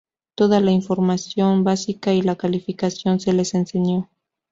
Toda la formación básica y la "calificación" se les enseñó.